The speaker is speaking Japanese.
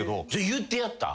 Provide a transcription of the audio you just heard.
言ってやった？